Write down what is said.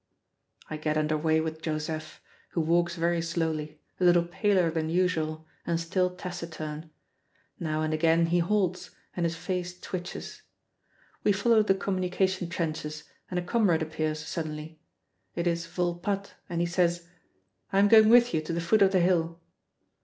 I get under way with Joseph, who walks very slowly, a little paler than usual, and still taciturn. Now and again he halts, and his face twitches. We follow the communication trenches, and a comrade appears suddenly. It is Volpatte, and he says, "I'm going with you to the foot of the hill."